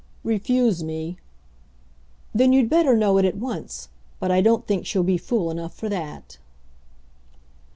"Refuse me." "Then you'd better know it at once. But I don't think she'll be fool enough for that."